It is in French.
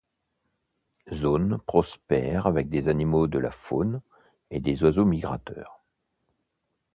Zone prospère avec des animaux de la faune et des oiseaux migrateurs.